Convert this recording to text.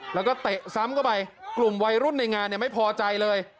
แล้วก็เตะซ้ำเข้าไปกลุ่มวัยรุ่นในงานเนี่ยไม่พอใจเลย